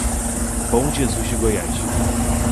Bom Jesus de Goiás